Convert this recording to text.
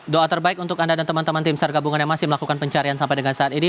doa terbaik untuk anda dan teman teman tim sargabungan yang masih melakukan pencarian sampai dengan saat ini